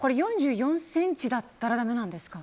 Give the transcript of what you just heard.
４４センチだったら駄目なんですか。